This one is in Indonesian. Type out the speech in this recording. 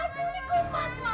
kok kayak ada yang nangis ya